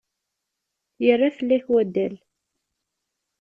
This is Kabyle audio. Yerra fell-ak wadal.